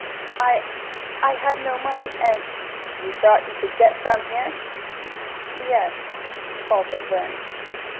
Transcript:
"I I had no money, and " "You thought you could get some here?" "Ye es," faltered Burns.